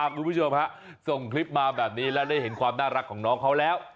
คุณผู้ชมฮะส่งคลิปมาแบบนี้แล้วได้เห็นความน่ารักของน้องเขาแล้ว